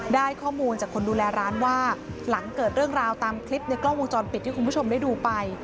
ได้ข้อมูลจากคนดูแลร้านว่าหลังเกิดเรื่องราวตามคลิปในกล้องวงจรปิดที่คุณผู้ชมได้ดูไป